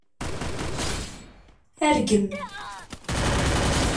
Rgem.